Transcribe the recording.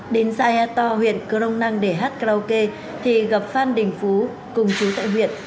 đến sài gòn huyện crong năng để hát karaoke thì gặp phan đình phú cùng chú tại huyện